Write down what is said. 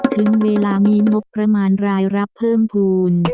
ถึงเวลามีงบประมาณรายรับเพิ่มภูมิ